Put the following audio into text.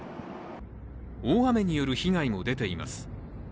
大雨による被害も出ています。